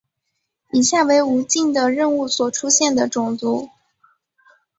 以下为无尽的任务所出现的种族。